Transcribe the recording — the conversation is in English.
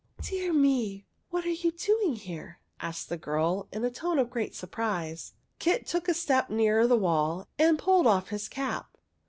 " Dear me ! What are you doing here ?" asked the girl, in a tone of great surprise. Kit took a step nearer the wall, and pulled off his cap.